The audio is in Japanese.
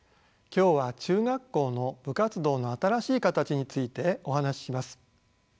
今日は中学校の部活動の新しい形についてお話しします。